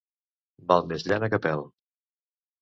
Val més llana que pèl.